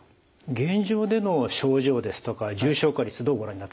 現状での症状ですとか重症化率どうご覧になってますか？